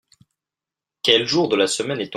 Quel jour de le semaine est-on ?